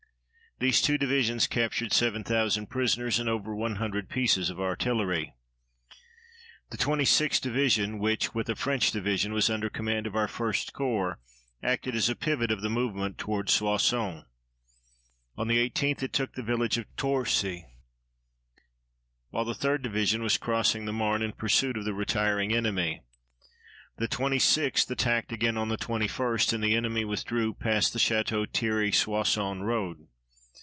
These two divisions captured 7,000 prisoners and over 100 pieces of artillery. The 26th Division, which, with a French division, was under command of our 1st Corps, acted as a pivot of the movement toward Soissons. On the 18th it took the village of Torcy, while the 3d Division was crossing the Marne in pursuit of the retiring enemy. The 26th attacked again on the 21st, and the enemy withdrew past the Château Thierry Soissons road.